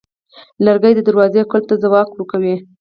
لرګی د دروازې قلف ته ځواک ورکوي.